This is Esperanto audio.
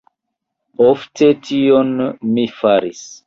Ofte, tion mi faris.